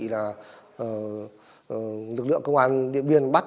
lực lượng công an biên bắt